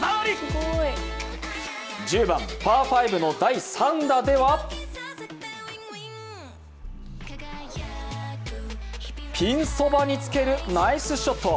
１０番パー５の第３打ではピンそばにつけるナイスショット。